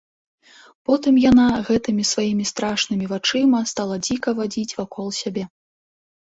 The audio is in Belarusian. Потым яна гэтымі сваімі страшнымі вачыма стала дзіка вадзіць вакол сябе.